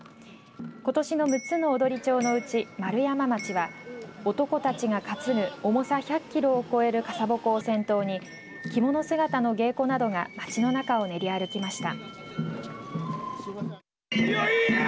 ことしの６つの踊町のうち丸山町は男たちが担ぐ重さ１００キロを超える傘鉾を先頭に着物姿の芸妓などが街の中を練り歩きました。